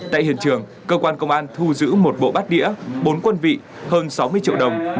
tại hiện trường cơ quan công an thu giữ một bộ bát đĩa bốn quân vị hơn sáu mươi triệu đồng